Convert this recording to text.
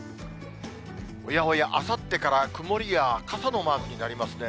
おやおや、あさってから曇りや傘のマークになりますね。